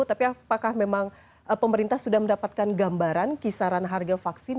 tapi apakah memang pemerintah sudah mendapatkan gambaran kisaran harga vaksin